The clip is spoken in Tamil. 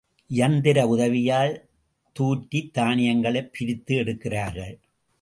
இயந்திர உதவியால் தூற்றித் தானியங்களைப் பிரித்து எடுக்கிறார்கள்.